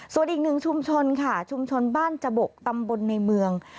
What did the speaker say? ส่วนอีกหนึ่งชุมชนค่ะชุมชนบ้านจบกตำบลในเมือง